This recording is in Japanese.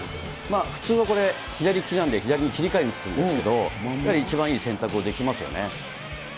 普通はこれ、左利きなんで左に切り替えるんですけど、やはり一番いい選択をできますよね。